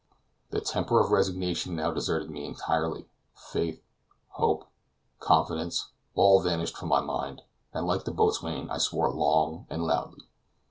The temper of resignation now deserted me entirely; faith, hope, confidence all vanished from my mind, and, like the boatswain, I swore long and loudly.